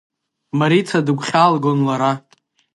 Марица дыгәхьаалгон лара.